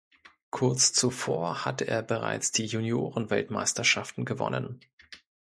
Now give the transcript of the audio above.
Kurz zuvor hatte er bereits die Juniorenweltmeisterschaften gewonnen.